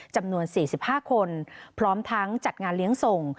จำนวน๔๕คนพร้อมทั้งจัดงานเลี้ยงส่ง